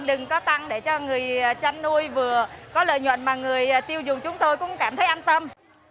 đừng có tăng để cho người chăn nuôi vừa có lợi nhuận mà người tiêu dùng chúng tôi cũng cảm thấy an tâm